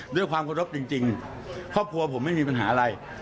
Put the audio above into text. ด้วยความเคารพจริงครอบครัวผมไม่มีปัญหาอะไร